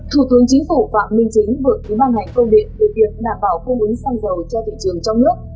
thủ tướng chính phủ phạm minh chính vượt tới ban ngành công điện về việc đảm bảo cung ứng xăng dầu cho thị trường trong nước